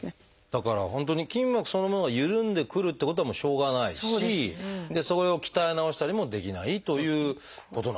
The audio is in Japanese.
だから本当に筋膜そのものがゆるんでくるってことはもうしょうがないしそれを鍛え直したりもできないということなんですね。